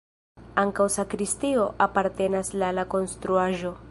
Ankaŭ sakristio apartenas la la konstruaĵo.